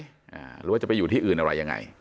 หรือว่าจะไปอยู่ที่อื่นอะไรยังไง